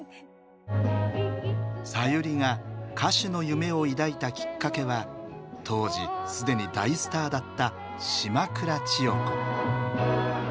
さゆりが歌手の夢を抱いたきっかけは当時既に大スターだった島倉千代子。